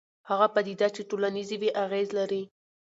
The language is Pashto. هغه پدیده چې ټولنیز وي اغېز لري.